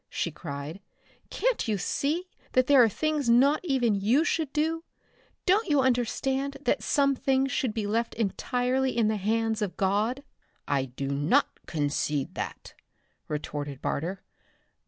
she cried. "Can't you see that there are things not even you should do? Don't you understand that some things should be left entirely in the hands of God?" "I do not concede that!" retorted Barter.